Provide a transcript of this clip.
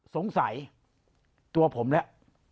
สงสัยตัวผมแล้ว